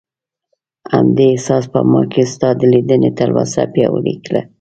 همدې احساس په ما کې ستا د لیدنې تلوسه پیاوړې کړه.